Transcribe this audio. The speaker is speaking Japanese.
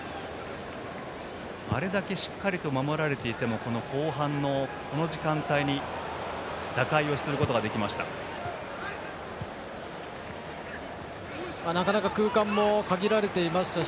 あれだけしっかりと守られていても後半のこの時間帯に打開をすることができました。